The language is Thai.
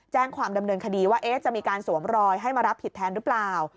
แจ้งความดำเนินคดีว่าจะมีการสวมรอยให้มารับผิดแทนหรือเปล่า